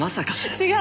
違う！